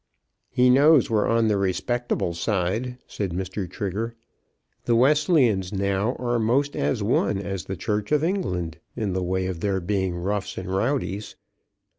] "He knows we're on the respectable side," said Mr. Trigger. "The Wesleyans now are most as one as the Church of England, in the way of not being roughs and rowdies."